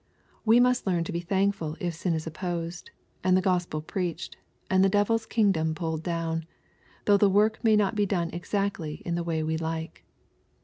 We must learn to be thankful if sin is opposed, and the G ospel preached, and the devil's kingdom pulled down, though the work may not be done exactly in the way we like.